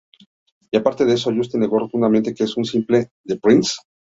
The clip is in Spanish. Y aparte de eso, Justin negó rotundamente que es un sample de Prince.